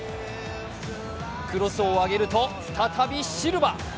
クロスを上げると、再びシルバ。